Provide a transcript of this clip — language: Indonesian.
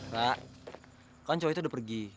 pak kan cowok itu udah pergi